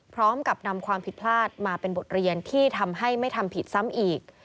พร้อมกับนำความผิดพลาดมาเป็นบทเรียนที่ทำให้ไม่ทำผิดซ้ำอีก